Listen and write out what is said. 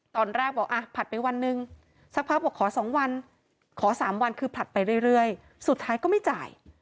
ตอนแรกบอกอ่ะผลัดไปวันหนึ่งสักพักบอกขอ๒วันขอ๓วันคือผลัดไปเรื่อยสุดท้ายก็ไม่จ่าย